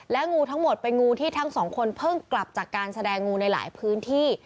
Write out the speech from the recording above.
งูทั้งหมดเป็นงูที่ทั้งสองคนเพิ่งกลับจากการแสดงงูในหลายพื้นที่